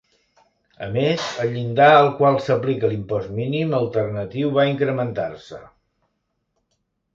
A més, el llindar al qual s'aplica l'impost mínim alternatiu va incrementar-se.